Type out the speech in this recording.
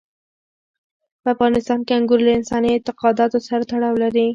په افغانستان کې انګور له انساني اعتقاداتو سره تړاو لري.